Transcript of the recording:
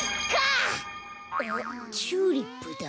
あっチューリップだ。